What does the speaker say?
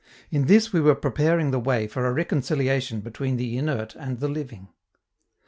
In this we were preparing the way for a reconciliation between the inert and the living.